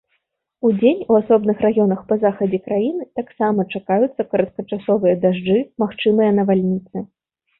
Удзень у асобных раёнах па захадзе краіны таксама чакаюцца кароткачасовыя дажджы, магчымыя навальніцы.